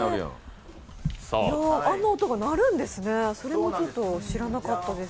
あんな音が鳴るんですね、それも知らなかったです。